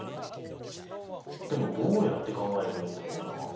でもどうやって考えればいいんだろうな。